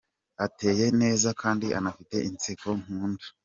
Ateye neza kandi anafite inseko nkunda.